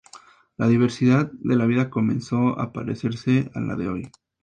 La diversidad de la vida comenzó a parecerse a la de hoy.